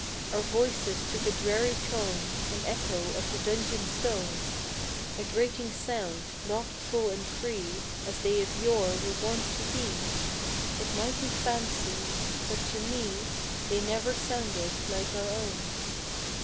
Our voices took a dreary tone, An echo of the dungeon stone, A grating sound, not full and free As they of yore were wont to be; It might be fancy, but to me They never sounded like our own.